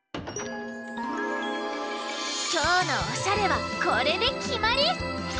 きょうのおしゃれはこれできまり！